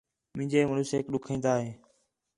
مینجے مُݨسیک ݙکھین٘دا ہے